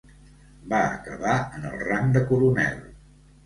Va acabar en el rang de coronel.